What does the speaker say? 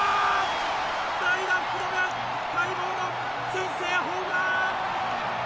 代打、福留待望の先制ホームラン！